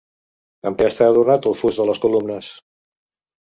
Amb què està adornat el fust de les columnes?